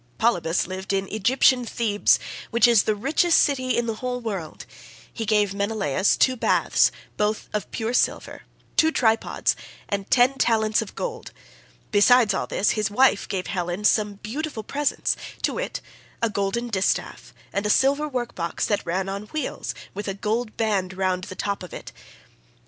Polybus lived in Egyptian Thebes, which is the richest city in the whole world; he gave Menelaus two baths, both of pure silver, two tripods, and ten talents of gold; besides all this, his wife gave Helen some beautiful presents, to wit, a golden distaff, and a silver work box that ran on wheels, with a gold band round the top of it.